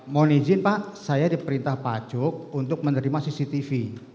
mohon izin pak saya diperintah pak cuk untuk menerima cctv